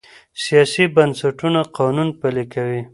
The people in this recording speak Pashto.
سیاسي بنسټونه قانون پلي کوي